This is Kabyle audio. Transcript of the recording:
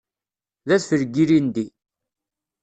D adfel n yilindi.